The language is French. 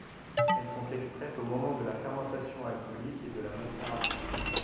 Elles sont extraites au moment de la fermentation alcoolique et de la macération.